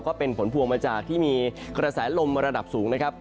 ก็เป็นผลพวงมาจากที่มีกระแสลมระดับสูงนะครับ